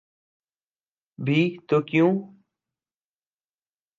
بھی تو کیوں؟